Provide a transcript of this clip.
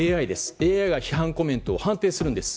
ＡＩが批判コメントを判定します。